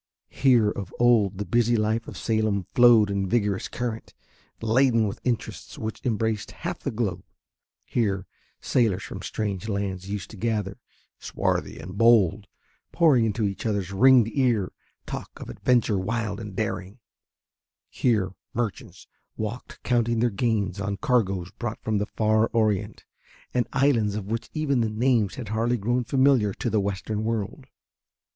Here of old the busy life of Salem flowed in vigorous current, laden with interests which embraced half the globe; here sailors from strange lands used to gather, swarthy and bold, pouring into each other's ringed ear talk of adventure wild and daring; here merchants walked counting their gains on cargoes brought from the far Orient and islands of which even the names had hardly grown familiar to the Western World.